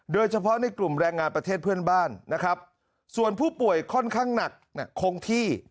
โดยเฉพาะในกลุ่มแรงงานประเทศเพื่อนบ้านนะครับส่วนผู้ป่วยค่อนข้างหนักคงที่